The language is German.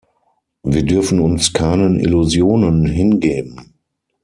Wir dürfen uns keinen Illusionen hingeben.